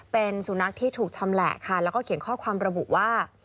เป็นสุนัขที่ถูกชำแหละค่ะแล้วก็เขียนข้อความระบุว่า